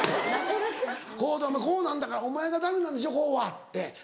「こうなんだからお前がダメなんでしょこうは」って。